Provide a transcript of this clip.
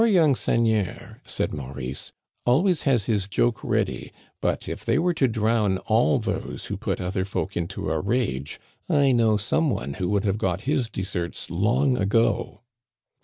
" Our young seigneur," said Maurice, always has his joke ready ; but, if they were to drown all those who put other folk into a rage, I know some one who would have got his deserts long ago."